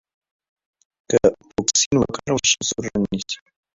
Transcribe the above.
که فوکسین وکارول شي سور رنګ نیسي.